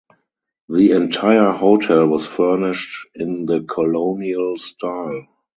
The entire hotel was furnished in the colonial style.